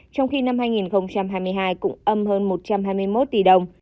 trong khi năm hai nghìn hai mươi hai cũng âm hơn một trăm hai mươi một tỷ đồng